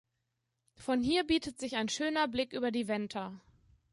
Von hier bietet sich ein schöner Blick über die Venta.